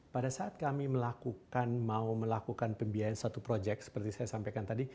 pada saat kami melakukan mau melakukan pembiayaan satu proyek seperti saya sampaikan tadi